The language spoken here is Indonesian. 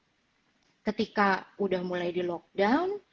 jadi ketika udah mulai di lockdown